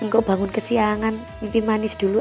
ngomong bangun ke siangan mimpi manis dulu ah